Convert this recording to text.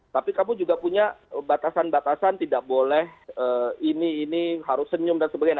tapi kamu juga punya batasan batasan tidak boleh ini ini harus senyum dan sebagainya